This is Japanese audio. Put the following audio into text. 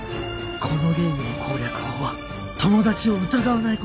このゲームの攻略法は友達を疑わない事だ